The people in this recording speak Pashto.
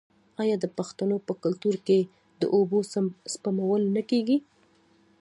آیا د پښتنو په کلتور کې د اوبو سپمول نه کیږي؟